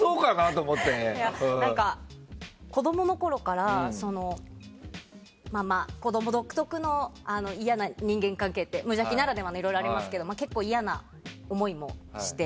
子供のころからというか子供独特の嫌な人間関係って無邪気ならではのいろいろありますけど結構、嫌な思いもして。